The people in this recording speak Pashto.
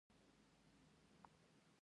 لیزر لیول ځمکه هواروي.